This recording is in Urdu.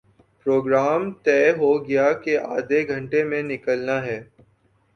پروگرام طے ہو گیا کہ آدھےگھنٹے میں نکلنا ہے